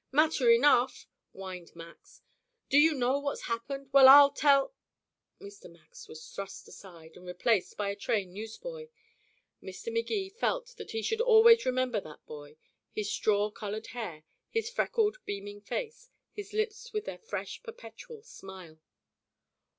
"Matter enough," whined Max. "Do you know what's happened? Well, I'll tell " Mr. Max was thrust aside, and replaced by a train newsboy. Mr. Magee felt that he should always remember that boy, his straw colored hair, his freckled beaming face, his lips with their fresh perpetual smile.